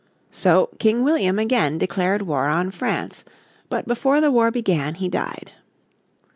So King William again declared war on France, but before the war began he died.